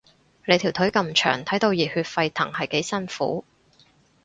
你條腿咁長，睇到熱血沸騰係幾辛苦